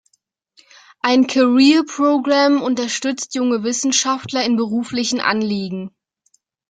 Ein "Career Programme" unterstützt junge Wissenschaftler in beruflichen Anliegen.